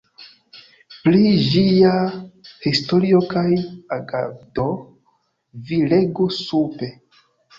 Pri ĝia historio kaj agado vi legu sube.